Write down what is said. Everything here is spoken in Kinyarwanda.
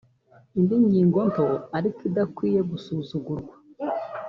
Indi ngingo nto ariko kandi idakwiye gusuzugurwa